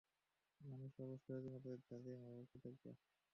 মানুষ অবশ্যই অতিমাত্রায় জালিম, অকৃতজ্ঞ।